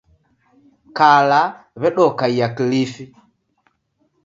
Kala, w'edokaiya Kilifi